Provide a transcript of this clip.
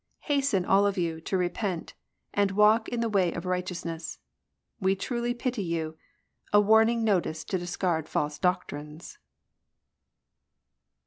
Hasten, all of you, to repent. And walk in the way of righteousness ; We truly pity you. A warning notice to discard false doctrines